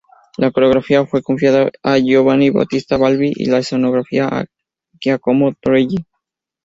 La coreografía fue confiada a Giovan Battista Balbi y la escenografía a Giacomo Torelli.